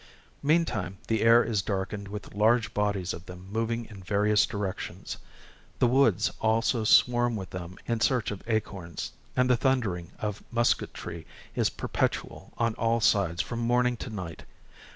Meantime the air is darkened with large bodies of them moving in various directions; the woods also swarm with them in search of acorns, and the thundering of musquetry is perpetual on all sides from morning to night.